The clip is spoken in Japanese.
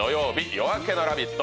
「夜明けのラヴィット！」